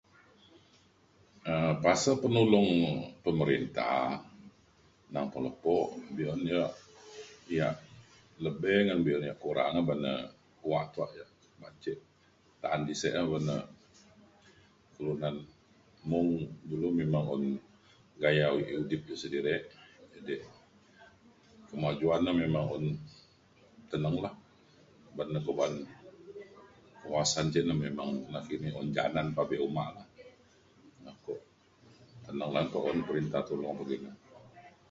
um pasen penulong pemerintah neng ke lepo be’un yak yak lebih ngan be’un yak kurang ban na kuak tuak yak ban ce ta’an di sek un na kelunan mung dulu memang un gaya udip sedirek kemajuan na memang un teneng lah. Ban na ko ba’an kawasan ja na nakini memang un janan pabe uma lah teneng lan pa un perintah tulong pekina.